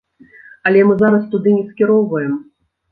Але мы зараз туды не скіроўваем.